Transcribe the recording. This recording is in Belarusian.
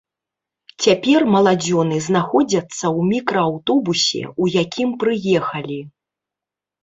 Цяпер маладзёны знаходзяцца ў мікрааўтобусе, у якім прыехалі.